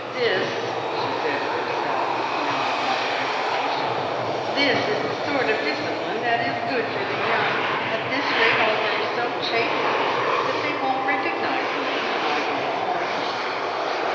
"This," said she to herself, with melancholy resignation "this is the sort of discipline that is good for the young! At this rate I'll grow so chastened that they won't recognise me when I go home."